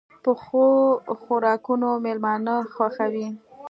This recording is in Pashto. پخو خوراکونو مېلمانه خوښوي